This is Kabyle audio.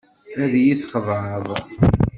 Ad yi-txedεeḍ.